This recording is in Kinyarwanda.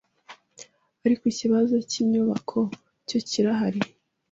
ariko ikibazo cy’inyubako cyo kirahari.